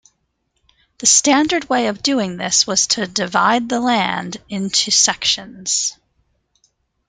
The standard way of doing this was to divide the land into sections.